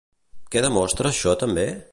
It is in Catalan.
Què demostra això també?